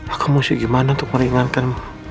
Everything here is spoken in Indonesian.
aku mau gimana untuk meringankan